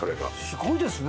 すごいですね。